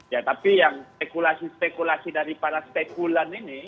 ya tapi yang spekulasi spekulasi dari para spekulan ini